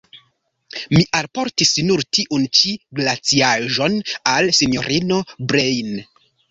Mi alportis nur tiun ĉi glaciaĵon al sinjorino Breine.